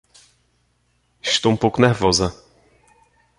Estou um pouco nervosa